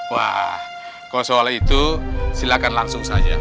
wah kalau soal itu silakan langsung saja